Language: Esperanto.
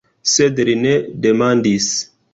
Sed li ne demandis.